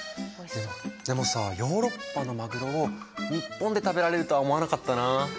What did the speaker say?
でもさヨーロッパのマグロを日本で食べられるとは思わなかったなあ。